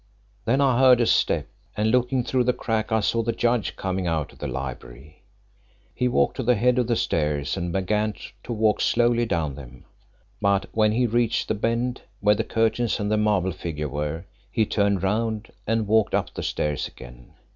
"Then I heard a step, and looking through the crack I saw the judge coming out of the library. He walked to the head of the stairs and began to walk slowly down them. But when he reached the bend where the curtains and the marble figure were, he turned round and walked up the stairs again.